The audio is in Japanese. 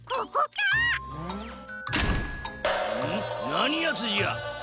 なにやつじゃ！